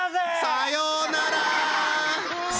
さようなら！